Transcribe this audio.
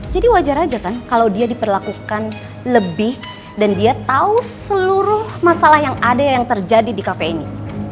jadi wajar aja kan kalo dia diperlakukan lebih dan dia tau seluruh masalah yang ada yang terjadi di cafe ini